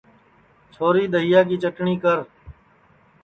چھوری دؔئیا کی چٹٹؔی کر